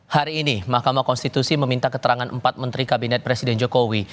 hari ini mahkamah konstitusi meminta keterangan empat menteri kabinet presiden jokowi